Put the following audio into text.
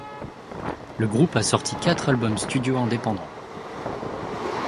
Le groupe a sorti quatre albums studio indépendants.